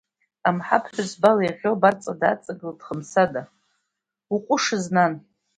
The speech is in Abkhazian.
Амҳаԥ ҳәызбала иӷьӷьо абарҵа дааҵагылт Хымсада, уҟәышыз, нан!